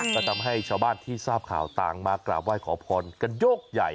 ก็ทำให้ชาวบ้านที่ทราบข่าวต่างมากราบไหว้ขอพรกันยกใหญ่